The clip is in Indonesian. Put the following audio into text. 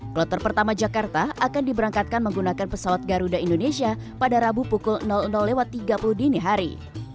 kloter pertama jakarta akan diberangkatkan menggunakan pesawat garuda indonesia pada rabu pukul tiga puluh dini hari